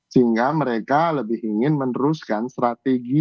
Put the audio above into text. sehingga mereka lebih ingin meneruskan strategi